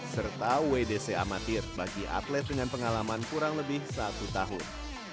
serta wdc amatir bagi atlet dengan pengalaman kurang lebih satu tahun